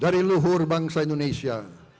dari luhur bangsa indonesia